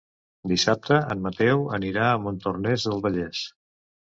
Dissabte en Mateu anirà a Montornès del Vallès.